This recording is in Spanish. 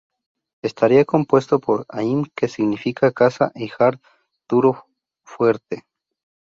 Estaría compuesto por "haim-" que significa "casa" y "-hard", "duro, fuerte".